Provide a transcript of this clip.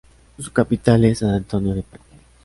Su capital es "San Antonio de Parco"